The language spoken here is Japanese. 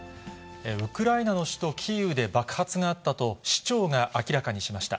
ウクライナの首都キーウで爆発があったと、市長が明らかにしました。